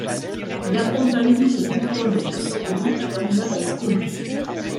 Il affronta Ulysses Bloodstone le chasseur de monstres et termina dans le coma.